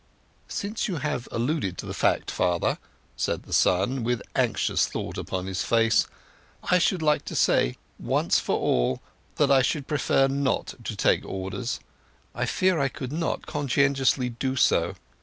"Since you have alluded to the matter, father," said the son, with anxious thought upon his face, "I should like to say, once for all, that I should prefer not to take Orders. I fear I could not conscientiously do so.